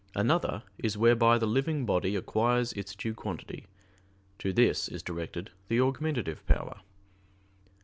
Another is whereby the living body acquires its due quantity; to this is directed the augmentative power.